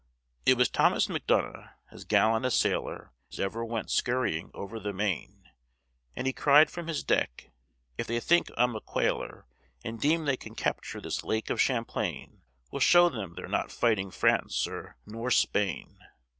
_ It was Thomas Macdonough, as gallant a sailor As ever went scurrying over the main; And he cried from his deck, _If they think I'm a quailer, And deem they can capture this Lake of Champlain, We'll show them they're not fighting France, sir, nor Spain_!